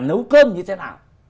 nấu cơm như thế nào